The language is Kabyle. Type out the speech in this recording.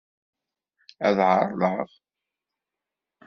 Ad ɛerḍeɣ.